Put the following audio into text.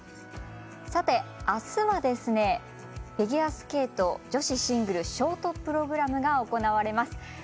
あすはフィギュアスケート女子シングルショートプログラムが行われます。